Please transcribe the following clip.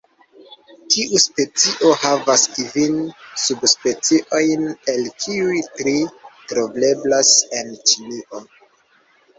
Tiu specio havas kvin subspeciojn, el kiuj tri troveblas en Ĉinio.